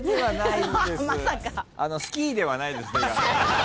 スキーではないです。